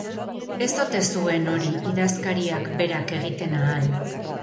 Ez ote zuen hori idazkariak berak egiten ahal?